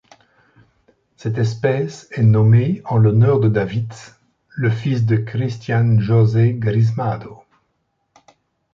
Cette espèce est nommée en l'honneur de David, le fils de Cristian José Grismado.